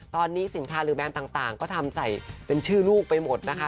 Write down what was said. ตอนนี้สินค้าหรือแบรนด์ต่างก็ทำใส่เป็นชื่อลูกไปหมดนะคะ